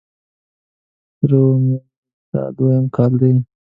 ترور مې ویل: دا دویم کال دی.